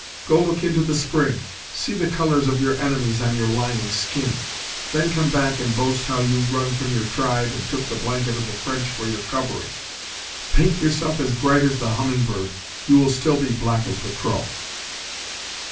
Go look into the spring; see the colours of your enemies on your lying skin; then come back and boast how you run from your tribe and took the blanket of the French for your covering! Paint yourself as bright as the humming bird, you will still be black as the crow!"